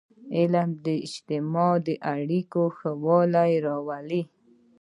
علم د اجتماعي اړیکو ښهوالی راولي.